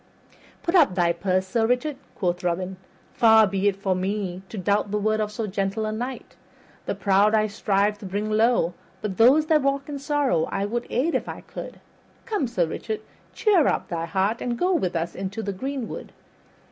"Put up thy purse, Sir Richard," quoth Robin. "Far be it from me to doubt the word of so gentle a knight. The proud I strive to bring low, but those that walk in sorrow I would aid if I could. Come, Sir Richard, cheer up thy heart and go with us into the greenwood.